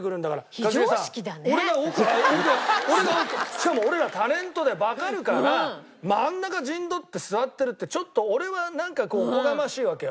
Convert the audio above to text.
しかも俺らタレントでわかるから真ん中陣取って座ってるってちょっと俺はなんかこうおこがましいわけよ。